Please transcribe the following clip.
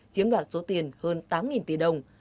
chiếm đoạt số tiền hơn tám tỷ đồng